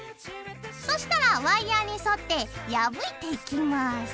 そしたらワイヤーに沿って破いていきます。